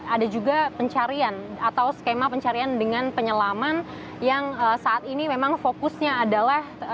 ada juga pencarian atau skema pencarian dengan penyelaman yang saat ini memang fokusnya adalah